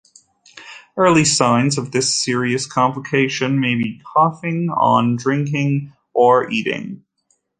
Early signs of this serious complication may be coughing on drinking or eating.